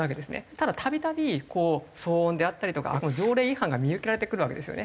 ただ度々こう騒音であったりとか条例違反が見受けられてくるわけですよね。